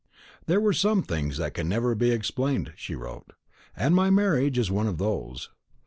"There are some things that can never be explained," she wrote, "and my marriage is one of those.